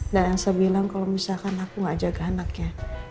dan elsa bilang kalau misalkan aku gak jaga anaknya